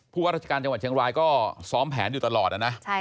ว่าราชการจังหวัดเชียงรายก็ซ้อมแผนอยู่ตลอดนะ